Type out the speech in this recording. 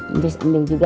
ini bisa ambil juga